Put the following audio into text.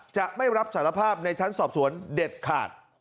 จะไม่รับสารภาพในชั้นสอบสวนเด็ดขาด